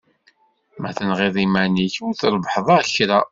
Ma tenɣiḍ iman-ik, ur d-trebbḥeḍ kra.